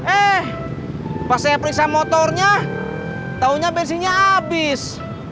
eh pas saya periksa motornya taunya bensinnya habis